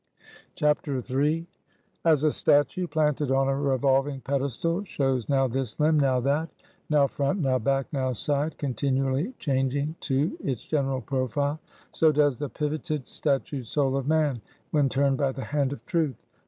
III. As a statue, planted on a revolving pedestal, shows now this limb, now that; now front, now back, now side; continually changing, too, its general profile; so does the pivoted, statued soul of man, when turned by the hand of Truth.